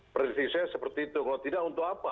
prediksi saya seperti itu kalau tidak untuk apa